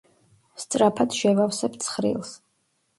სწრაფად შევავსებ ცხრილს.